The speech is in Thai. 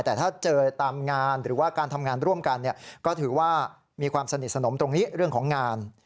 แต่ถ้าเจอตามงานหรือว่าการทำงานร่วมกันก็ถือว่ามีความสนิทสนมตรงนี้เรื่องของงาน